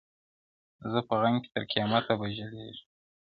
زما په غم کي تر قيامته به ژړيږي!!